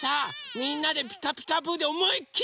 みんなで「ピカピカブ！」でおもいっきり